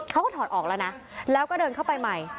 เขาก็ถอดออกแล้วนะแล้วก็เดินเข้าไปใหม่